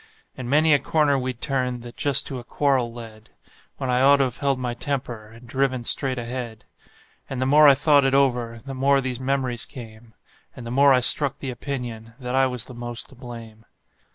And many a corner we'd turned that just to a quarrel led, When I ought to 've held my temper, and driven straight ahead; And the more I thought it over the more these memories came, And the more I struck the opinion that I was the most to blame.